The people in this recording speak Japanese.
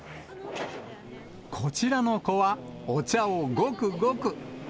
こちらの子は、お茶をごくごく。